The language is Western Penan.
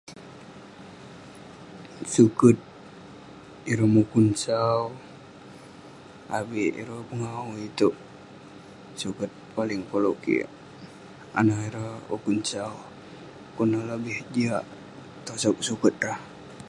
Suket ireh mukun sau avik ireh pengawu itouk, suket paling koluk kik anah ireh ukun sau. Kuk neh lobih jiak tosog suket rah.